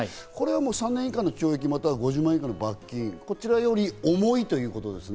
これは３年以下の懲役または５０万円以下の罰金、こちらより重いということですね。